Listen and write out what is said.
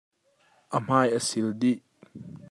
A hmai a sil dih.